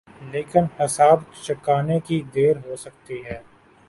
لیکن حساب چکانے کی دیر ہو سکتی ہے۔